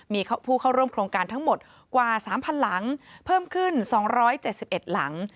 มีผู้เข้าร่วมโครงการทั้งหมดกว่า๓๐๐หลังเพิ่มขึ้น๒๗๑หลัง